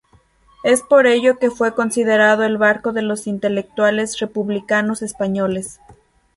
Es por ello que fue considerado el barco de los intelectuales republicanos españoles.